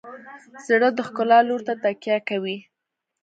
زړه د ښکلا لور ته تکیه کوي.